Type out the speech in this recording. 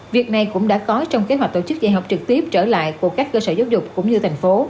việc này cũng đã có trong kế hoạch tổ chức dạy học trực tiếp trở lại của các cơ sở giáo dục cũng như thành phố